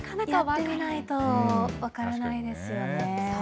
やってみないと分からないですよね。